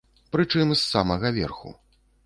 Прычым з самага верху.